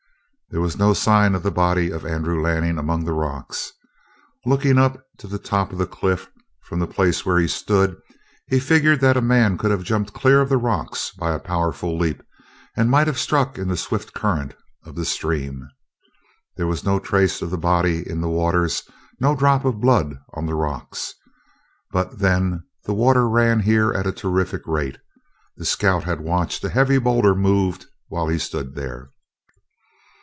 There was no sign of the body of Andrew Lanning among the rocks. Looking up to the top of the cliff, from the place where he stood, he figured that a man could have jumped clear of the rocks by a powerful leap and might have struck in the swift current of the stream. There was no trace of the body in the waters, no drop of blood on the rocks. But then the water ran here at a terrific rate; the scout had watched a heavy boulder moved while he stood there.